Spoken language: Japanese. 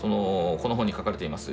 この本に書かれています